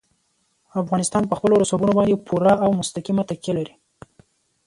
افغانستان په خپلو رسوبونو باندې پوره او مستقیمه تکیه لري.